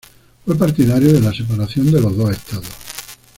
Fue partidario de la separación de los dos estados.